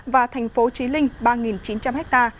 và thành phố trí linh ba chín trăm linh ha